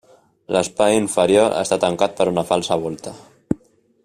L'espai inferior està tancat per una falsa volta.